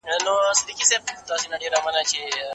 ده د خبرو پر مهال نرمه ژبه کاروله.